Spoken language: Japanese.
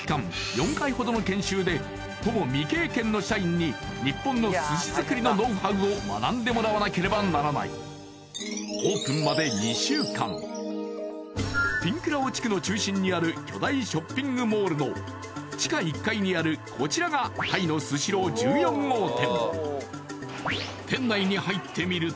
４回ほどの研修でほぼ未経験の社員に日本の寿司作りのノウハウを学んでもらわなければならないオープンまで２週間ピンクラオ地区の中心にある巨大ショッピングモールの地下１階にあるこちらがタイのスシロー１４号店